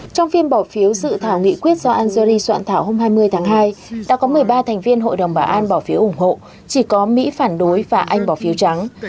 trong phim bỏ phiếu dự thảo nghị quyết do algeri soạn thảo hôm hai mươi tháng hai đã có một mươi ba thành viên hội đồng bảo an bỏ phiếu ủng hộ chỉ có mỹ phản đối và anh bỏ phiếu trắng